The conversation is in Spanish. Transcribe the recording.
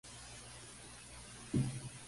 Plus Ultra.